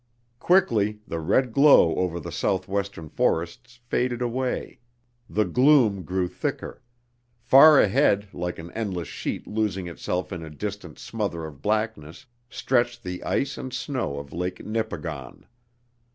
Quickly the red glow over the southwestern forests faded away; the gloom grew thicker; far ahead, like an endless sheet losing itself in a distant smother of blackness, stretched the ice and snow of Lake Nipigon.